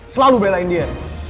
selalu belain dia